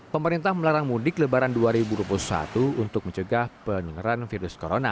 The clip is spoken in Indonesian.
pemerintah melarang mudik lebaran dua ribu dua puluh satu untuk mencegah penularan virus corona